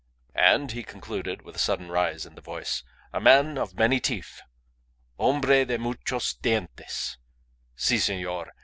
"And," he concluded, with a sudden rise in the voice, "a man of many teeth 'hombre de muchos dientes.' Si, senor.